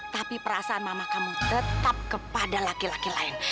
tapi perasaan mama kamu tetap kepada laki laki lain